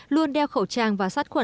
luôn đeo khẩu trang và sát khuẩn